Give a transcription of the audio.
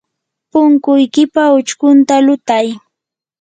punkuykipa uchkunta lutay.